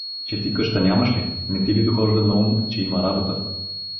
Че ти къща нямаш ли, не ти ли дохожда на ум, че има работа.